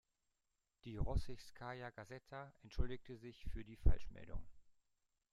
Die Rossijskaja gaseta entschuldigte sich für die Falschmeldung.